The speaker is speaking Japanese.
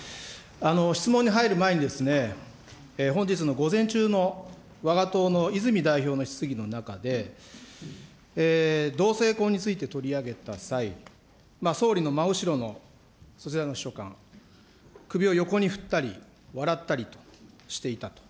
質問に入る前に、本日の午前中のわが党の泉代表の質疑の中で、同性婚について取り上げた際、総理の真後ろのそちらの秘書官、首を横に振ったり、笑ったりとしていたと。